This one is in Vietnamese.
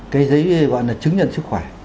cái giấy gọi là chứng nhận sức khỏe